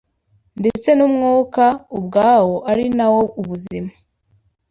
Ndetse n’umwuka ubwawo, ari na wo ubuzima